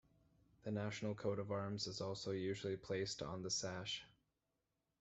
The national coat of arms is also usually placed on the sash.